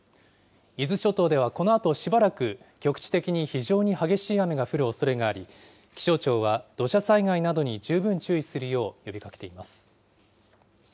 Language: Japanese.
伊豆諸島ではこのあとしばらく局地的に非常に激しい雨が降るおそれがあり、気象庁は土砂災害などに十分注意するよう呼びかけています。